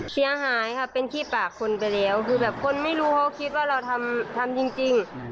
เสียหายค่ะเป็นขี้ปากคนไปแล้วคือแบบคนไม่รู้เขาคิดว่าเราทำทำจริง